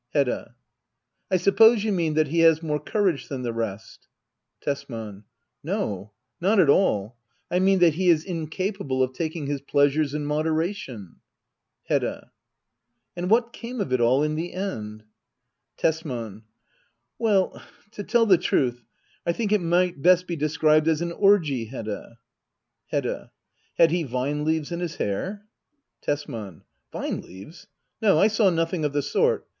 Heoda. I suppose you mean that he has more courage than the rest ? Tesman. No, not at all — I mean that he is incapable of taking his pleasures in moderation. Hedda. And what came of it all — in the end ? Tesman. Well, to tell the truth, I think it might best be described as an orgie, Hedda, Hedda. Had he vine leaves in his hair ? Tesman. Vine leaves? No, I saw nothing of the sort.